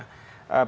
bagi pak makarim